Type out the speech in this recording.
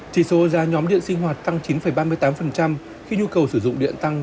chỉ số giá nhóm điện sinh hoạt tăng chín ba mươi tám khi nhu cầu sử dụng điện tăng